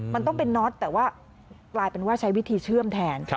มันต้องเป็นน็อตแต่ว่ากลายเป็นว่าใช้วิธีเชื่อมแทน